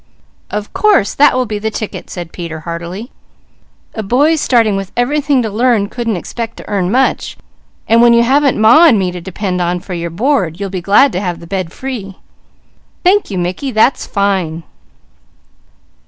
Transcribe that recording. "Of course! That will be the ticket," said Peter heartily. "A boy starting with everything to learn couldn't expect to earn much, and when you haven't Ma and me to depend on for your board you'll be glad to have the bed free. Thank you Mickey, that's fine!"